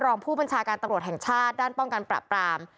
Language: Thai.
รองผู้บัญชาการตำรวจแห่งชาติด้านป้องกันปรับปราม